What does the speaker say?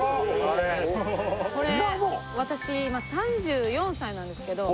これ私今３４歳なんですけどピアノ！？